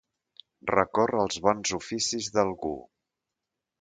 Recórrer als bons oficis d'algú.